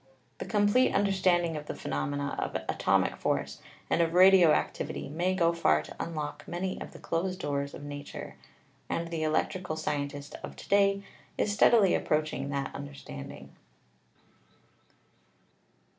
The complete understanding of the phenomena of atomic force and of radio activity may go far to unlock many of the closed doors of Nature, and the electrical scientist of to day is steadily approaching that understanding.